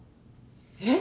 えっ？